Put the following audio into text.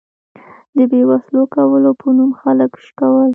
د بې وسلو کولو په نوم خلک شکول.